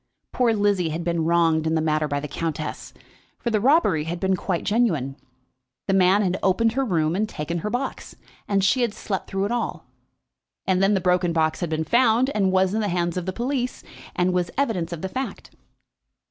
Poor Lizzie had been wronged in that matter by the countess, for the robbery had been quite genuine. The man had opened her room and taken her box, and she had slept through it all. And then the broken box had been found, and was in the hands of the police, and was evidence of the fact.